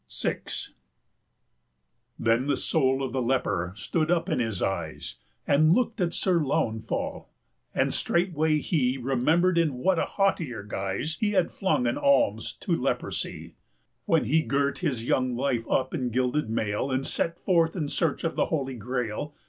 VI. Then the soul of the leper stood up in his eyes And looked at Sir Launfal, and straightway he Remembered in what a haughtier guise 290 He had flung an alms to leprosie, When he girt his young life up in gilded mail And set forth in search of the Holy Grail.